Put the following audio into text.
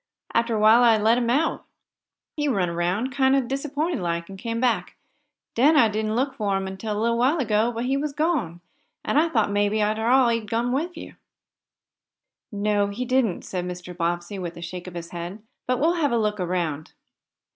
Arter a while I let him out. He run around, kinder disappointed like, an' come back. Den I didn't look fo' him until a little while ago, but he was gone, an' I thought maybe, arter all, he'd come wif yo'." "No, he didn't," said Mr. Bobbsey, with a shake of his head. "But we'll have a look around."